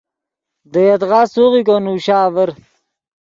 دے یدغا سوغیکو نوشا آڤر